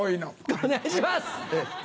お願いします！